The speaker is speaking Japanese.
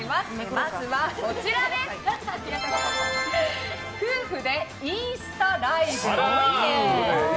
まずは、夫婦でインスタライブ。